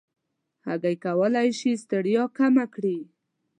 هګۍ کولی شي ستړیا کمه کړي.